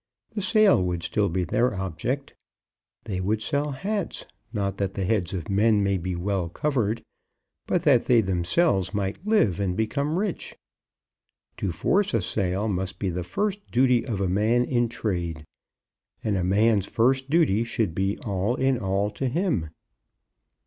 The sale would still be their object. They would sell hats, not that the heads of men may be well covered, but that they themselves might live and become rich. To force a sale must be the first duty of a man in trade, and a man's first duty should be all in all to him.